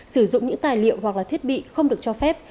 sử dụng những tài liệu hoặc là thiết bị không được cho phép